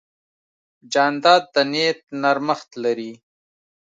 جانداد د نیت نرمښت لري.